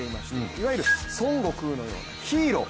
いわゆる孫悟空のようなヒーロー。